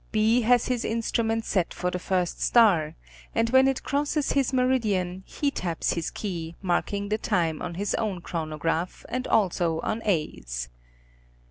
B has his instrument set for the first star, and when it crosses his meridian, he taps his key marking the time on his own chronograph and also on A's.